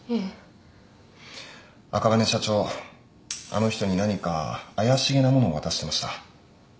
あの人に何か怪しげなものを渡してました。